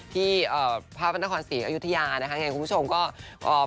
ที่พระพันธคอนศรีอยุธยานะคะคุณผู้ชมก็